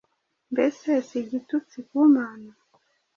mbese si igitutsi ku Mana?